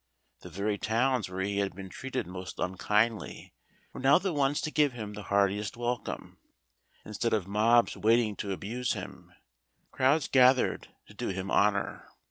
The very towns where he had been treated most unkindly were now the ones to give him the heartiest welcome. Instead of mobs waiting to abuse him, crowds gathered to do him honour.